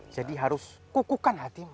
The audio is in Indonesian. jadi harus kukukan hatimu